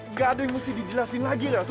nggak ada yang mesti dijelasin lagi